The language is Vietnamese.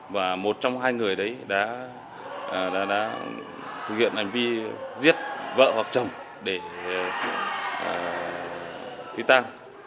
và một trong hai người đấy đã thực hiện hành vi giết vợ hoặc chồng để phi tang